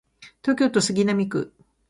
東京都杉並区